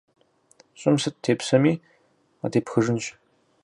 Щӏым сыт тепсэми, къытепхыжынщ.